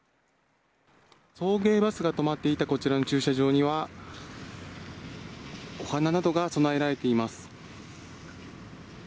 送迎バスが止まっていたこちらの駐車場には、お花などが供えられています。